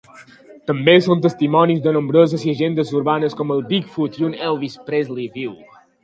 També són testimonis de nombroses llegendes urbanes com el Bigfoot i un Elvis Presley viu.